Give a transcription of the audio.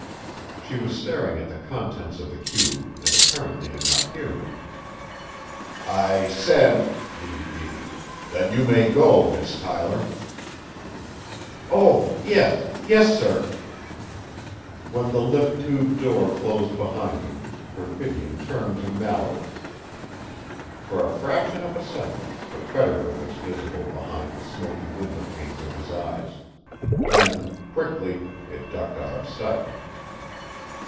She was staring at the contents of the cube and apparently did not hear him. "I said," he repeated, "that you may go, Miss Tyler." "Oh. Yes ... yes sir." When the lift tube door closed behind her, Perfidion turned to Mallory. For a fraction of a second the predator was visible behind the smoky windowpanes of his eyes; then, quickly, it ducked out of sight.